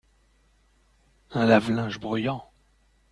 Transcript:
Un lave-linge bruyant.